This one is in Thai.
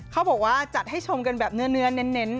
เขาบอกว่าจัดให้ชมกันแบบเนื้อเน้น